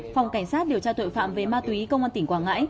phòng cảnh sát điều tra tội phạm về ma túy công an tỉnh quảng ngãi